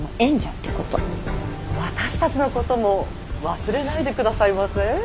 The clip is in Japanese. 私たちのことも忘れないでくださいませ。